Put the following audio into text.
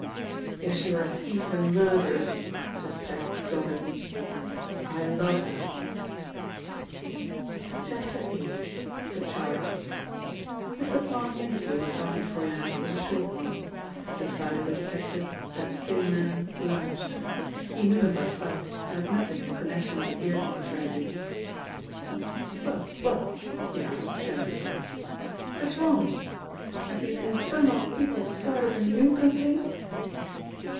"If she were a thief and murderess," said Jack doggedly, "I love her." VIII. — THE CHARGE MR. PARR'S interview with Harvey Froyant was a short one. At the sight of the detective, that thin man blanched. He knew him by sight and had met him in connection with the Beardmore tragedy. "Well, well," he asked tremulously. "What is wrong? Have these infernal people started a new campaign?"